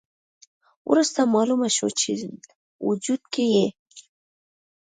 وروسته مالومه شوه چې وجود کې یې